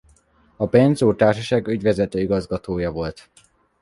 A Benczúr Társaság ügyvezető igazgatója volt.